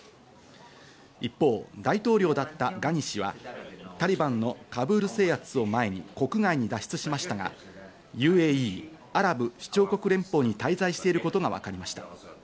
一方、大統領だったガニ氏はタリバンのカブール制圧を前に国外に脱出しましたが、ＵＡＥ＝アラブ首長国連邦に滞在していることがわかりました。